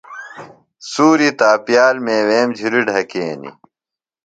سُوری تاپیال میویم جُھلیۡ ڈھکینی۔